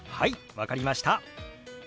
分かりました。